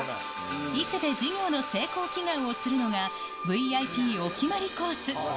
伊勢で事業の成功祈願をするのが、ＶＩＰお決まりコース。